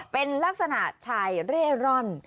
เป็นลักษณะชายเร่ร่อน